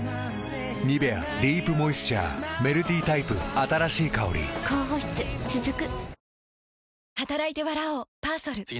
「ニベアディープモイスチャー」メルティタイプ新しい香り高保湿続く。